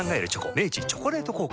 明治「チョコレート効果」